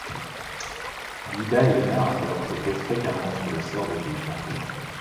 Lyda et le narrateur s’opposent fréquemment sur le sort des paysans pauvres.